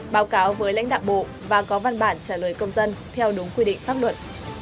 báo cáo với lãnh đạo bộ và có văn bản trả lời công dân theo đúng quy định pháp luật